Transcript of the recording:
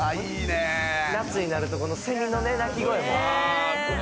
夏になるとセミの鳴き声も。